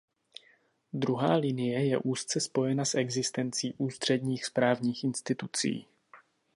Druhá linie je úzce spojena s existencí ústředních správních institucí.